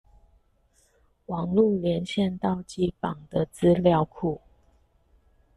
網路連線到機房的資料庫